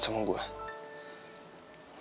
itu yang gue takuti sih